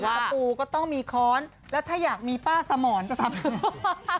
อวะปูก็ต้องมีข้อนแล้วถ้าอยากมีป้าสมอนจะทำ